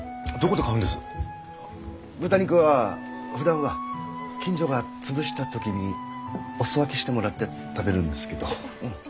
豚肉はふだんは近所が潰した時にお裾分けしてもらって食べるんですけどうん。